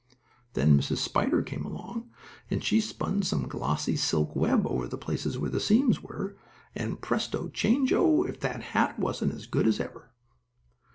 Then Mrs. Spider came along, and she spun some glossy silk web over the places where the seams were, and presto chango! if that hat wasn't as good as ever!